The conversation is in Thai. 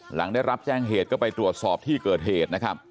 หลังได้รับแจ้งเหตุก็ไปตรวจสอบที่เกิดเหตุนะครับ